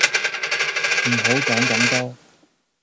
唔好講咁多